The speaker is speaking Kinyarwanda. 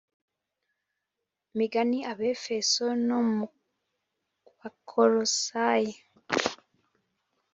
Migani abefeso no mu bakolosayi